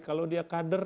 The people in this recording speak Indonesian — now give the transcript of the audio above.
kalau dia kader